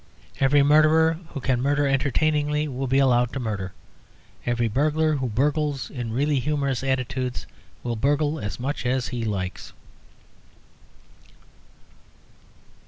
Every murderer who can murder entertainingly will be allowed to murder. Every burglar who burgles in really humorous attitudes will burgle as much as he likes.